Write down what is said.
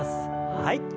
はい。